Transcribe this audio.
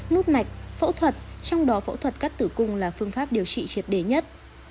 nút mạch phẫu thuật trong đó phẫu thuật cắt tử cung là phương pháp điều trị triệt đề nhất